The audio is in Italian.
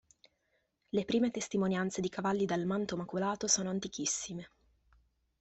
Le prime testimonianze di cavalli dal manto maculato sono antichissime.